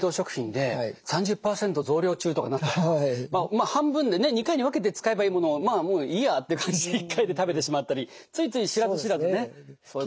まあ半分でね２回に分けて使えばいいものをまあもういいやっていう感じで１回で食べてしまったりついつい知らず知らずねそういうことあります。